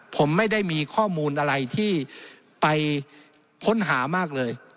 ผมไม่ได้มีข้อมูลอะไรที่ไปค้นหามากเลย